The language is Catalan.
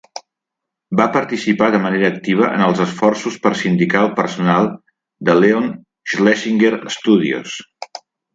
Va participar de manera activa en els esforços per sindicar el personal de Leon Schlesinger Studios.